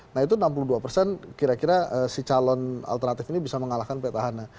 nah itu enam puluh dua persen kira kira si calon alternatif ini bisa mengalahkan petahana